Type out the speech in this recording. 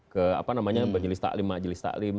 ke apa namanya mbak jelis taklim mak jelis taklim